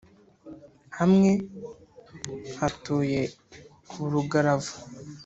Hamwe hatuye Burugaravu